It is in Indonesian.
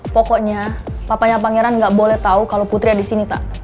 pokoknya papanya pangeran gak boleh tau kalo putri ada disini tak